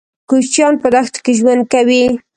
کوچيان په دښتو کې ژوند کوي.